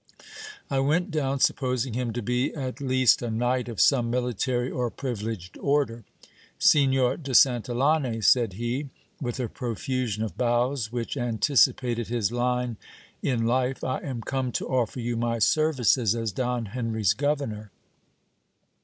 I went down, supposing him to be at least a knight of some military or privileged order. Signor de Santillane, said lie, with a profusion of bows which anticipated his line in life, I am come to offer you my services as Don Henry's governor.